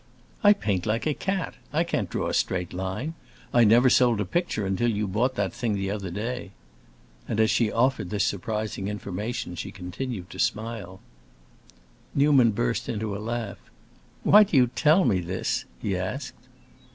"I paint like a cat; I can't draw a straight line. I never sold a picture until you bought that thing the other day." And as she offered this surprising information she continued to smile. Newman burst into a laugh. "Why do you tell me this?" he asked.